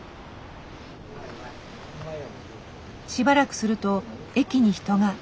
しばらくすると駅に人が。